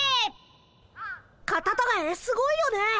カタタガエすごいよね。